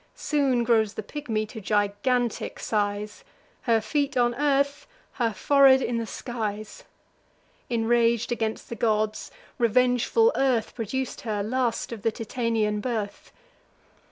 Soon grows the pigmy to gigantic size; Her feet on earth, her forehead in the skies. Inrag'd against the gods, revengeful Earth Produc'd her last of the Titanian birth.